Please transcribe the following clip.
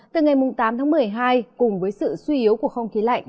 từ ngày tám tháng một mươi hai cùng với sự suy yếu của không khí lạnh